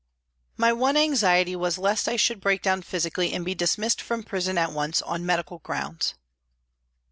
My one anxiety was lest I should break down physically and be dismissed from the prison at once " on medical grounds."